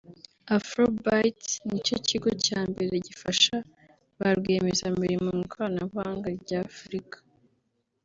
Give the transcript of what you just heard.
Afrobytes nicyo kigo cya mbere gifasha ba rwiyemezamirimo mu ikoranabuhanga rya Afurika